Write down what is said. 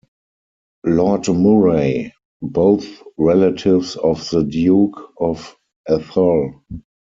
Lord Murray, both relatives of the Duke of Atholl.